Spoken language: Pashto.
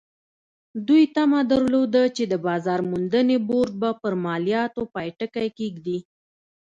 دوی تمه درلوده چې د بازار موندنې بورډ به پر مالیاتو پای ټکی کېږدي.